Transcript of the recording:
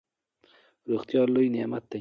روغتیا لوی نعمت دئ.